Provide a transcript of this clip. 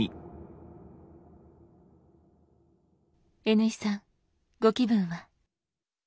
Ｎ井さんご気分は？